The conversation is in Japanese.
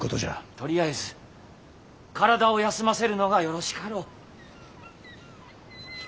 とりあえず体を休ませるのがよろしかろう。